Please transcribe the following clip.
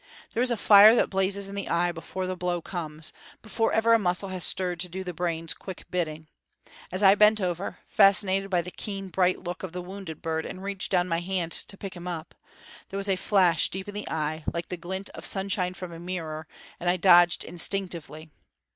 There is a fire that blazes in the eye before the blow comes, before ever a muscle has stirred to do the brain's quick bidding. As I bent over, fascinated by the keen, bright look of the wounded bird, and reached down my hand to pick him up, there was a flash deep in the eye, like the glint of sunshine from a mirror, and I dodged instinctively.